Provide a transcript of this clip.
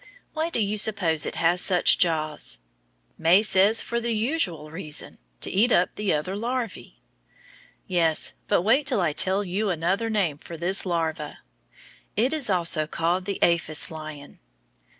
Why do you suppose it has such jaws? May says, for the usual reason, to eat up other larvæ. Yes; but wait till I tell you another name for this larva. It is also called the aphis lion.